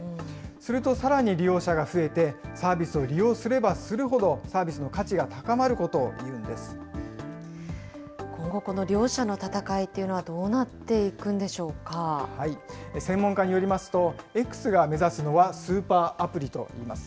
すると、さらに利用者が増えて、サービスを利用すればするほどサービスの価値が高まることをいう今後、この両者の戦いという専門家によりますと、Ｘが目指すのはスーパーアプリといいます。